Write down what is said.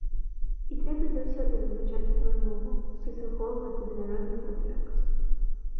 І трэба заўсёды вывучаць сваю мову, прыслухоўвацца да народных гутарак.